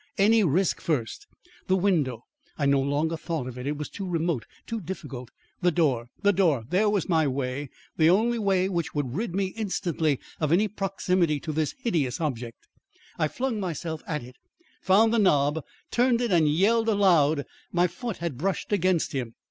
any risk first. The window I no longer thought of it. It was too remote, too difficult. The door the door there was my way the only way which would rid me instantly of any proximity to this hideous object. I flung myself at it found the knob turned it and yelled aloud My foot had brushed against him.